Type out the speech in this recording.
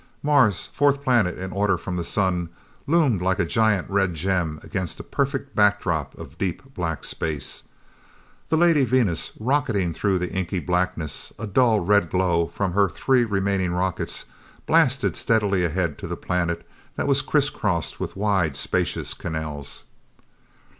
Mars, fourth planet in order from the Sun, loomed like a giant red gem against a perfect backdrop of deep black space. The Lady Venus, rocketing through the inky blackness, a dull red glow from her three remaining rockets, blasted steadily ahead to the planet that was crisscrossed with wide spacious canals.